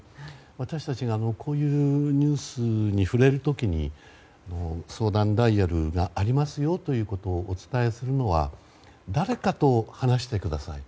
私たちが、こういうニュースに触れる時に、相談ダイヤルがありますよということをお伝えするのは誰かと話してください